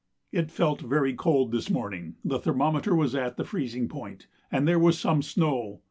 It felt very cold this morning; the thermometer was at the freezing point, and there was some snow.